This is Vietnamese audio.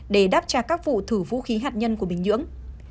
để đáp trả các vụ thử vũ khí hạt nhân của bình nhưỡng